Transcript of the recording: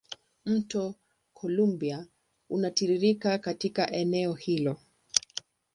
Mto Columbia unatiririka katika eneo hilo.